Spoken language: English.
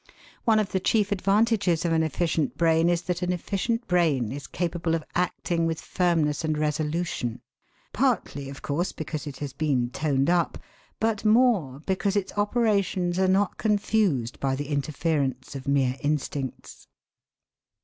One of the chief advantages of an efficient brain is that an efficient brain is capable of acting with firmness and resolution, partly, of course, because it has been toned up, but more because its operations are not confused by the interference of mere instincts.